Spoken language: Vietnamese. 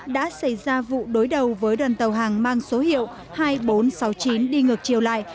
đã xảy ra vụ đối đầu với đoàn tàu hàng mang số hiệu hai nghìn bốn trăm sáu mươi chín đi ngược chiều lại